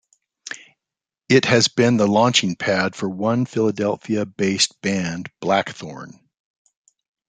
It has been the launching pad for one Philadelphia based band Blackthorne.